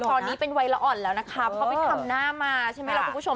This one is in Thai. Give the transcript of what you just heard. ตอนนี้เป็นวัยละอ่อนแล้วนะคะเพราะไปทำหน้ามาใช่ไหมล่ะคุณผู้ชม